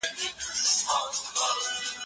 تخت که هر څونه وي لوی نه تقسیمیږي